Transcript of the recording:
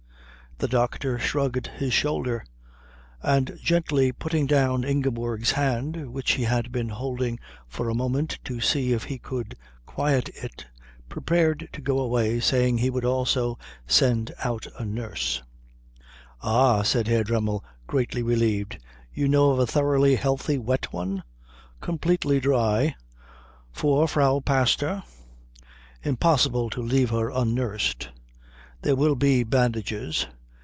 The doctor shrugged his shoulder, and gently putting down Ingeborg's hand which he had been holding for a moment to see if he could quiet it, prepared to go away, saying he would also send out a nurse. "Ahh," said Herr Dremmel, greatly relieved, "you know of a thoroughly healthy wet one?" "Completely dry. For Frau Pastor. Impossible to leave her unnursed. There will be bandages.